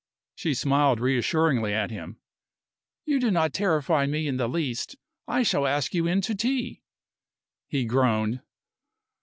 She smiled reassuringly at him. "You do not terrify me in the least. I shall ask you in to tea." He groaned.